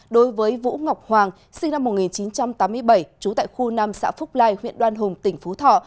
đối với vũ ngọc hoàng sinh năm một nghìn chín trăm tám mươi bảy trú tại khu năm xã phúc lai huyện đoan hùng tỉnh phú thọ